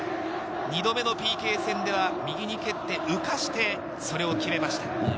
２度目のＰＫ戦では右に蹴って、抜かして、それを決めました。